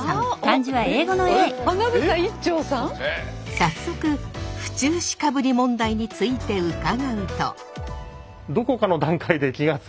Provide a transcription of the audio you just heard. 早速府中市かぶり問題について伺うと。